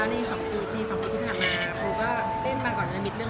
ของชิคกี้พายใช่เปล่าแล้วเรื่องนี้ก็ผิดเอง